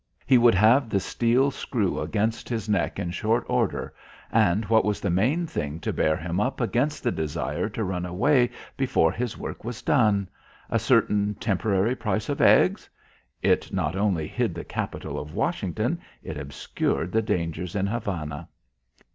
He would have the steel screw against his neck in short order. And what was the main thing to bear him up against the desire to run away before his work was done? A certain temporary price of eggs! It not only hid the Capitol at Washington; it obscured the dangers in Havana.